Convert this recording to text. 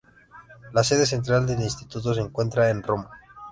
La sede central del instituto se encuentra en Roma.